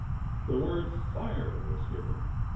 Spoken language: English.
The word "fire!" was given.